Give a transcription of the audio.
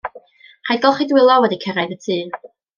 Rhaid golchi dwylo wedi cyrraedd y tŷ.